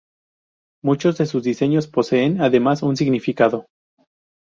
Muchos de sus diseños poseen además un significado.